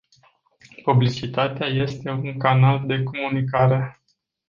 Publicitatea este un canal de comunicare.